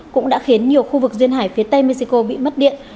cũng đã khiến nhiều khu vực duyên hải phía tây mexico bị mất điện